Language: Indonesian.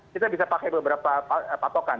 kita bisa pakai beberapa patokan